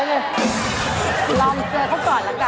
ลองเจอเขาก่อนแล้วกัน